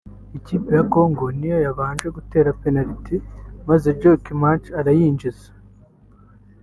Ikipe ya Congo niyo yabanje gutera Penaliti maze Joel Kimwaki arayinjiza